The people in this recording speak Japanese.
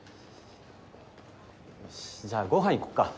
よしじゃあご飯行こっか。